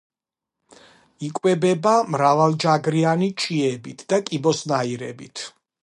იკვებება მრავალჯაგრიანი ჭიებით და კიბოსნაირებით.